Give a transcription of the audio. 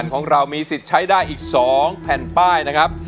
ของเรามีสิทธิ์ใช้ได้อีก๒แผ่นป้ายนะครับ